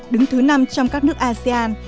đứng thứ năm trong các nước asean